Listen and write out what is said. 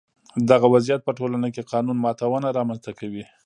دغه وضعیت په ټولنه کې قانون ماتونه رامنځته کوي.